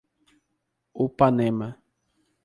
Upanema